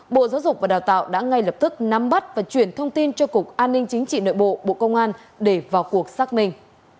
bộ giáo dục và đào tạo đã ngay lập tức nắm bắt và chuyển thông tin cho cục an ninh chính trị nội bộ bộ công an để vào cuộc xác minh